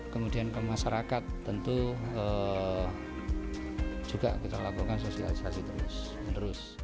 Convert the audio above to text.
kemudian ke masyarakat tentu juga kita lakukan sosialisasi terus menerus